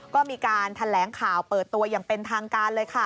ก็มีการแถลงข่าวเปิดตัวอย่างเป็นทางการเลยค่ะ